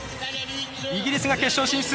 イギリスが決勝進出！